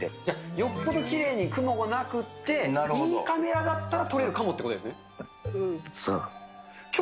よっぽどきれいに雲がなくって、いいカメラだったら撮れるかもっそう。